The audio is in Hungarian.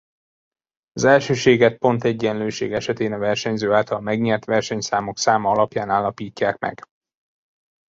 Az elsőséget pontegyenlőség esetén a versenyző által megnyert versenyszámok száma alapján állapítják meg.